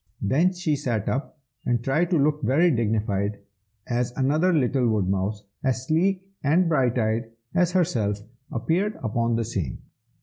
Then she sat up, and tried to look very dignified, as another little woodmouse, as sleek and bright eyed as herself, appeared upon the scene.